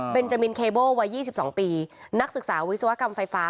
เบนจามินเคเบิลวัยยี่สิบสองปีนักศึกษาวิศวกรรมไฟฟ้า